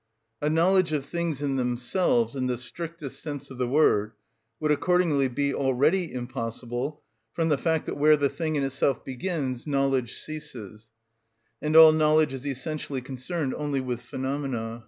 A "knowledge of things in themselves," in the strictest sense of the word, would accordingly be already impossible from the fact that where the thing in itself begins knowledge ceases, and all knowledge is essentially concerned only with phenomena.